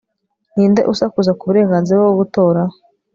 ninde usakuza ku burenganzira bwo gutora